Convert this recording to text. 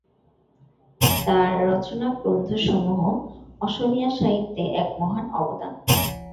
তাঁর রচনা গ্রন্থসমূহ অসমীয়া সাহিত্যে এক মহান অবদান।